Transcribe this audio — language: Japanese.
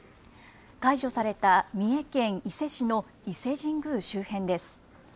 解除された三重県伊勢市の伊勢神宮周辺です。